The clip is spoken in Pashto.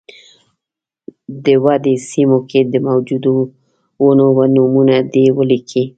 د ودې سیمو کې د موجودو ونو نومونه دې ولیکي.